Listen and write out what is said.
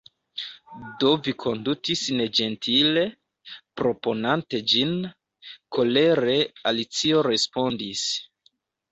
"Do vi kondutis neĝentile, proponante ĝin," kolere Alicio respondis.